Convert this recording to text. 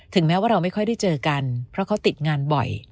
แม้ว่าเราไม่ค่อยได้เจอกันเพราะเขาติดงานบ่อย